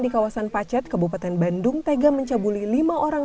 di kawasan pacet kabupaten bandung tega mencabuli lima orang